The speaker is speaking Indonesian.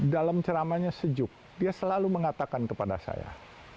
dalam ceramahnya sejuk dia selalu mengatakan kepada saya